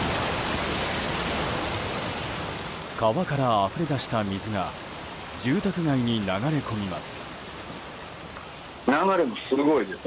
川からあふれ出した水が住宅街に流れ込みます。